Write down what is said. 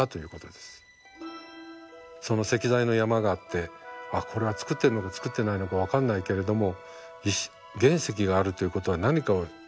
その石材の山があってああこれは作ってんのか作ってないのか分かんないけれども石原石があるということは何かを作ろうとしてるんだろう。